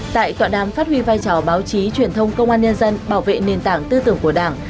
tại tọa đàm phát huy vai trò báo chí truyền thông công an nhân dân bảo vệ nền tảng tư tưởng của đảng